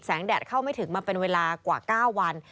แดดเข้าไม่ถึงมาเป็นเวลากว่า๙วัน